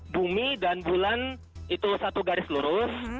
bumi dan bulan itu satu garis lurus